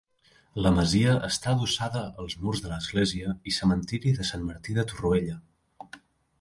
La masia està adossada als murs de l'església i cementiri de Sant Martí de Torroella.